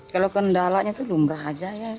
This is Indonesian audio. kalau kendalanya itu lumrah aja ya